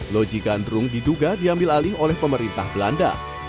loji gandrung diduga diambil alih oleh pemerintah belanda